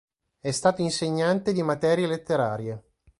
È stato insegnante di materie letterarie.